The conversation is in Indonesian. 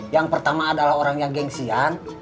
yang pertama adalah orang yang gengsian